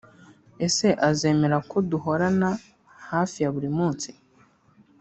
Ese azemera ko duhorana hafi ya buri munsi